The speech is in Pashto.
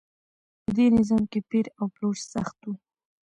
په دې نظام کې پیر او پلور سخت و.